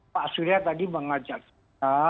pak surya tadi mengajak kita